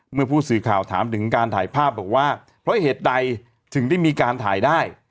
เมื่อผู้สื่อข่าวถามถึงการถ่ายภาพบอกว่าเพราะเหตุใดถึงได้มีการถ่ายได้